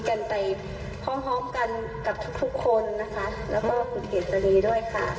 กันไปพร้อมกันกับทุกคนนะคะ